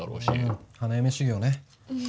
ああ、花嫁修業ね。